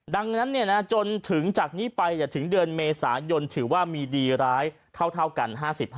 ดังนั้นจนถึงจากนี้ไปถึงเดือนเมษายนถือว่ามีดีร้ายเท่ากัน๕๕